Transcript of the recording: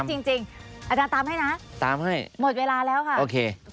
เยอะจริงอาจารย์ตามให้นะหมดเวลาแล้วค่ะตาม